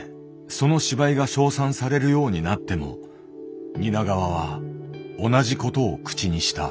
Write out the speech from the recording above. その芝居が称賛されるようになっても蜷川は同じことを口にした。